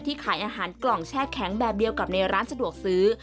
ขายอาหารกล่องแช่แข็งแบบเดียวกับในร้านสะดวกซื้อ